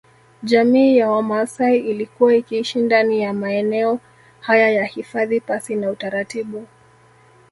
Jamii ya Wamaasai ilikuwa ikiishi ndani ya maeneo haya ya hifadhi pasi na utaratibu